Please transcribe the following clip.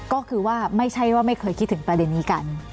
ก็คือว่าไม่ใช่ว่าไม่เคยคิดถึงประเด็นนี้กัน